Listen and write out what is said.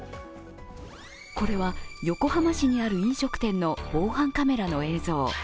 これは横浜市にある飲食店の防犯カメラの映像。